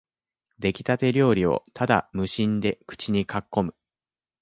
できたて料理をただ無心で口にかっこむ